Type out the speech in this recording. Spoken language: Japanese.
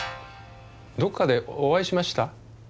どこかでお会いしました？